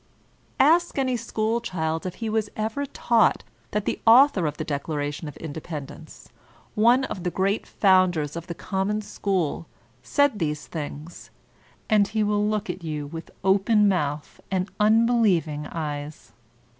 Ask any school child if he was ever taught that the author of the Declaration of Inde pendence, one of the great founders of the common school, said these things, and he will look at you with open mouth and unbelieving eyes.